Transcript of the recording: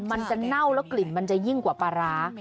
เน่าแล้วกลิ่นมันจะยิ่งกว่าปลาร้า